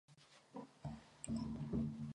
Jedná se o soustavu pěti muzeí zaměřených na hory.